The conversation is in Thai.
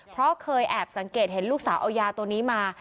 เพราะเคยแอบสังเกตเห็นลูกสาวเอายาตัวนี้มา